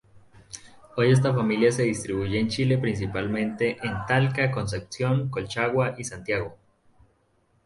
Hoy esta familia se distribuye en Chile principalmente en Talca, Concepción, Colchagua y Santiago.